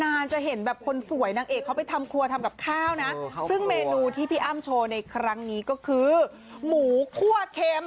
นานจะเห็นแบบคนสวยนางเอกเขาไปทำครัวทำกับข้าวนะซึ่งเมนูที่พี่อ้ำโชว์ในครั้งนี้ก็คือหมูคั่วเค็ม